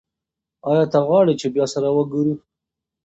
ایا ته غواړې چې بیا سره وګورو؟